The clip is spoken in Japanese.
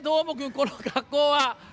この格好は。